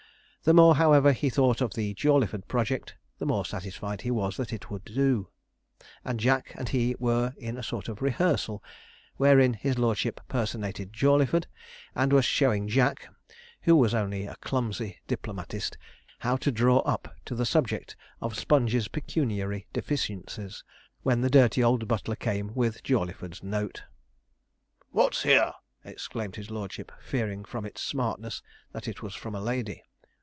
The more, however, he thought of the Jawleyford project, the more satisfied he was that it would do; and Jack and he were in a sort of rehearsal, wherein his lordship personated Jawleyford, and was showing Jack (who was only a clumsy diplomatist) how to draw up to the subject of Sponge's pecuniary deficiencies, when the dirty old butler came with Jawleyford's note. 'What's here?' exclaimed his lordship, fearing from its smartness, that it was from a lady.